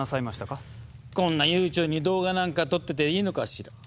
こんな悠長に動画なんか撮ってていいのかしら？